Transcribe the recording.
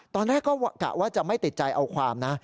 ตอนแรกก็กะว่าจะไม่ติดใจเอาความนะ